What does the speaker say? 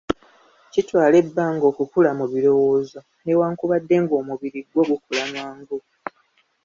Kitwala ebbanga okukula mu birowoozo, newankubadde ng'omubiri gwo gukula mangu.